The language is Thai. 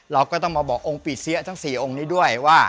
เราก็ต้องมาบอกองค์ปีเสียทั้ง๔องค์นี้ด้วยว่า